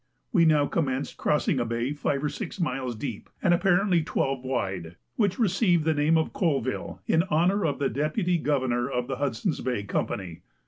We now commenced crossing a bay 5 or 6 miles deep, and apparently 12 wide, which received the name of Colvile, in honour of the Deputy Governor of the Hudson's Bay Company.